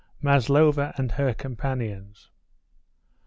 MASLOVA AND HER COMPANIONS.